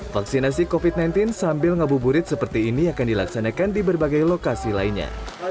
vaksinasi covid sembilan belas sambil ngabuburit seperti ini akan dilaksanakan di berbagai lokasi lainnya